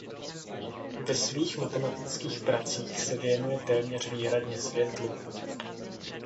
Ve svých matematických pracích se věnuje téměř výhradně světlu.